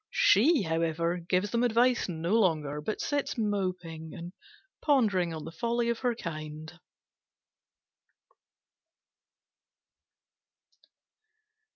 She, however, gives them advice no longer, but sits moping and pondering on the folly of her kind.